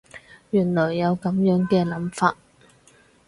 原來有噉樣嘅諗法